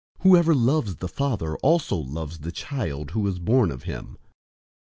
Whoever loves the father also loves the child who is born of him.